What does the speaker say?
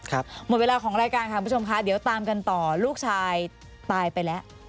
หมดเวลาของรายการค่ะคุณผู้ชมค่ะเดี๋ยวตามกันต่อลูกชายตายไปแล้ว